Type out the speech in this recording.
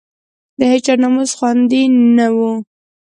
د هېچا ناموس خوندي نه وو.